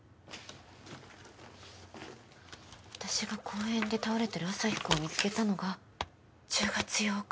私が公園で倒れてるアサヒくんを見つけたのが１０月８日！